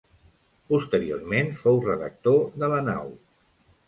Posteriorment, fou redactor de La Nau.